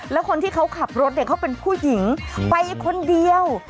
แล้วคนที่เขาขับรถเนี่ยเขาเป็นผู้หญิงไปคนเดียว